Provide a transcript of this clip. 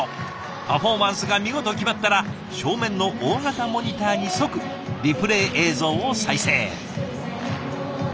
パフォーマンスが見事決まったら正面の大型モニターに即リプレイ映像を再生。